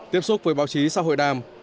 tiếp xúc với báo chí sau hội đàm